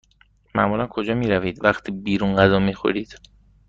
معمولا کجا می روید وقتی بیرون غذا می خورید؟